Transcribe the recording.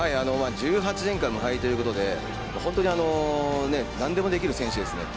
１８年間無敗ということで本当になんでもできる選手ですね。